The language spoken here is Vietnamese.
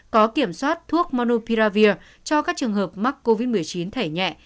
có kiểm soát thuốc monopiravir cho các trường hợp mắc covid một mươi chín thẻ nhẹ